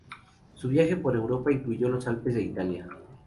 Su viaje por Europa incluyó los Alpes e Italia.